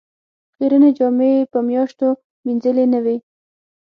خیرنې جامې یې په میاشتو مینځلې نه وې.